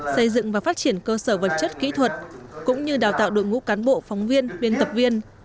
xây dựng và phát triển cơ sở vật chất kỹ thuật cũng như đào tạo đội ngũ cán bộ phóng viên biên tập viên